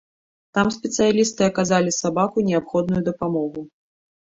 Там спецыялісты аказалі сабаку неабходную дапамогу.